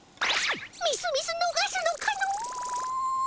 みすみすのがすのかの。